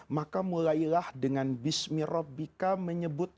maka mulailah dengan bismir rabbika menyebut